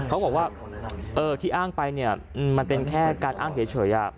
เขาบอกว่าที่อ้างไปเนี่ยมันเป็นแค่การอ้างเฉย